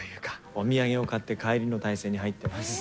お土産を買って、帰りの体制に入ってます。